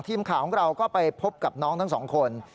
ทีมข่าวของเราก็ไปพบกับน้องทั้งสองคน